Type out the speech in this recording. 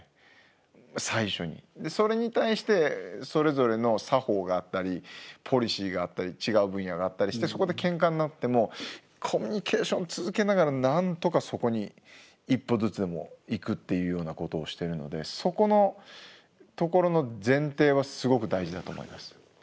それに対してそれぞれの作法があったりポリシーがあったり違う分野があったりしてそこでケンカになってもコミュニケーション続けながらなんとかそこに一歩ずつでもいくっていうようなことをしてるのでそこのところの前提はすごく大事だと思います。